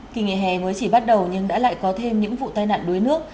kỳ nghỉ hè mới chỉ bắt đầu nhưng đã lại có thêm những vụ tai nạn đuối nước